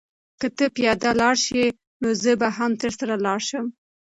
که ته پیاده لاړ شې نو زه به هم درسره لاړ شم.